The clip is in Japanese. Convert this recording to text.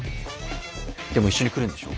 でも一緒に来るんでしょ？